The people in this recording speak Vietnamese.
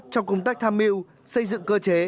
trong công tác tham mưu xây dựng cơ chế